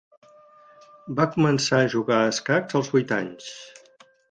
Va començar a jugar a escacs als vuits anys.